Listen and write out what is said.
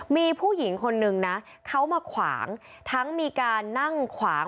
มีผู้หญิงคนนึงนะเขามาขวางทั้งมีการนั่งขวาง